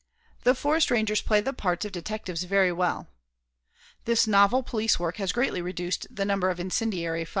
The forest rangers play the parts of detectives very well. This novel police work has greatly reduced the number of incendiary fires.